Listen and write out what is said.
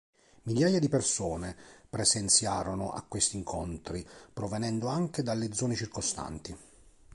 Migliaia di persone presenziarono a questi incontri provenendo anche dalle zone circostanti.